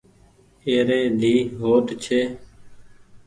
اي ري ڌي هوٽ ڇي۔